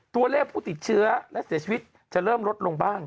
ตัวเลขผู้ติดเชื้อและเสียชีวิตจะเริ่มลดลงบ้าง